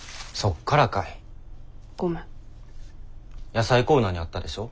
野菜コーナーにあったでしょ。